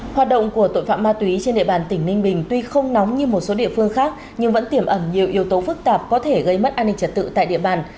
hoạt động của tội phạm ma túy trên địa bàn tỉnh ninh bình tuy không nóng như một số địa phương khác nhưng vẫn tiềm ẩn nhiều yếu tố phức tạp có thể gây mất an ninh trật tự tại địa bàn